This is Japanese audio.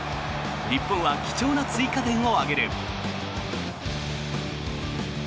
日本は貴重な追加点を挙げる。